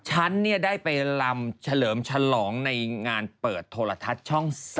ฉันได้ไปลำเฉลิมฉลองในงานเปิดโทรทัศน์ช่อง๓